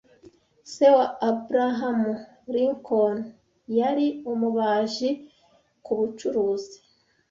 Se wa Abraham Lincoln yari umubaji kubucuruzi.